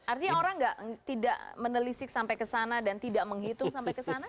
artinya orang tidak menelisik sampai ke sana dan tidak menghitung sampai ke sana